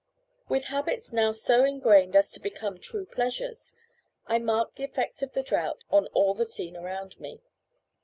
With habits now so ingrained as to become true pleasures, I marked the effects of the drought on all the scene around me.